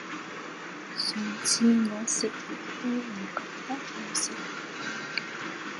上次我食完都唔覺得好食